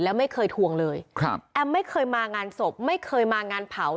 แล้วไม่เคยทวงเลยครับแอมไม่เคยมางานศพไม่เคยมางานเผา